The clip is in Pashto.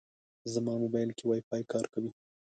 زما موبایل کې وايفای کار کوي.